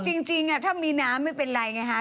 คือจริงอะถ้ามีน้ำก็ไม่เป็นไรไงฮะ